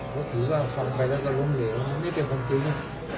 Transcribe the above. เพราะถือว่าฟังไปแล้วก็ล้มเหลวนี่เป็นความจริง